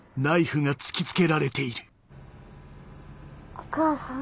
お母さん。